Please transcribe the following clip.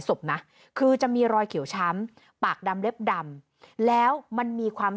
ศพนะคือจะมีรอยเขียวช้ำปากดำเล็บดำแล้วมันมีความ